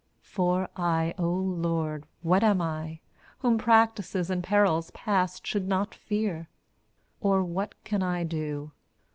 For I, oh Lord, what am I, whom practices and perils past should not fear? Or what can I do?